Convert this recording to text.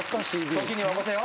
「時には起こせよ」